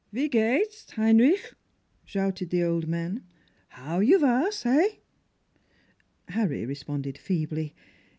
" Wie geht's, Heinrich? " shouted the old man. " How you vas, heh? " Harry responded feebly.